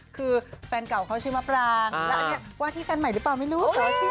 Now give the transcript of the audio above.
คือแฟนเก่าเขาชื่อมะปรางแล้วอันนี้ว่าที่แฟนใหม่หรือเปล่าไม่รู้